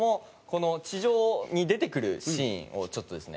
この地上に出てくるシーンをちょっとですね